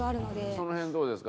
その辺どうですか？